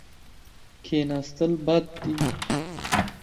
کښېناستل بد دي.